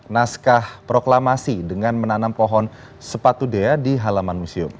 naskah proklamasi dengan menanam pohon sepatu dea di halaman museum